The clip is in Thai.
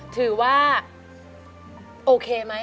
ถือว่าโอเคไหม